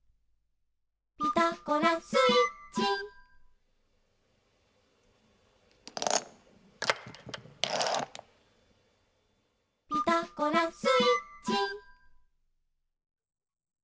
「ピタゴラスイッチ」「ピタゴラスイッチ」